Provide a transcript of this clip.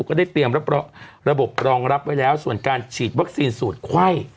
ก็ได้เตรียมรับระบบรองรับไว้แล้วส่วนการฉีดวัคซีนสูตรไข้